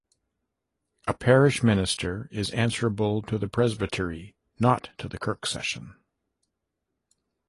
A parish minister is answerable to the Presbytery, not to the Kirk Session.